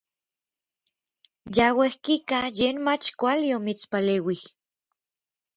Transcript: Ya uejkika yen mach kuali omitspaleuij.